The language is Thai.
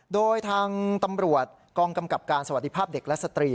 โดยทางตำรวจกองกำกับการสวัสดีภาพเด็กและสตรี